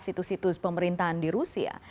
situs situs pemerintahan di rusia